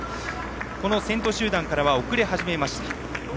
先頭集団からは遅れ始めました、今西。